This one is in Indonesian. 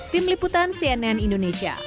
tim liputan cnn indonesia